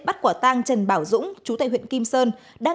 bắt quả tang trần bảo dũng chú tại huyện kim sơn